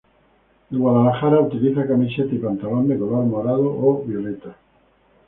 El Guadalajara utiliza camiseta y pantalón de color morado o violeta.